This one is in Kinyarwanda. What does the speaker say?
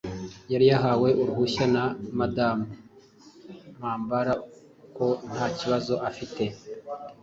yari yahawe uruhushya na Madamu Mpambara ko nta kibazo ifite.